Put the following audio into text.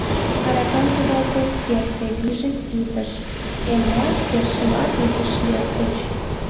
Аракам кудалтен керте, вийже ситыш, эмат, першылат утыш лектыч.